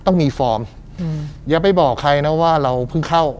ต้องมีฟอร์มอืมอย่าไปบอกใครนะว่าเราเพิ่งเข้า